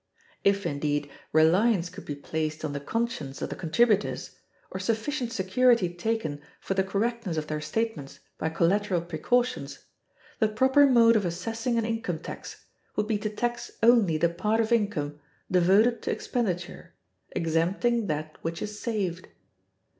If, indeed, reliance could be placed on the conscience of the contributors, or sufficient security taken for the correctness of their statements by collateral precautions, the proper mode of assessing an income tax would be to tax only the part of income devoted to expenditure, exempting that which is saved.